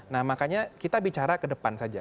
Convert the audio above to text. nah makanya kita bicara ke depan saja